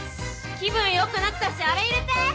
気分よくなったしあれ入れて！